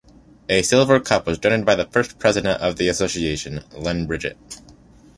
A silver cup was donated by the first president of the association, Len Bridgett.